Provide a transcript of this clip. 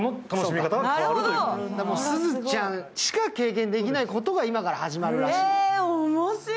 すずちゃんしか経験できないことが今から始まるらしい。